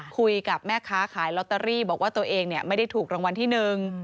คุยกับแม่ค้าขายลอตเตอรี่บอกว่าตัวเองไม่ได้ถูกรางวัลที่หนึ่ง